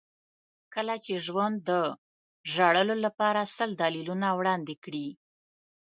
کله چې ژوند د ژړلو لپاره سل دلیلونه وړاندې کړي.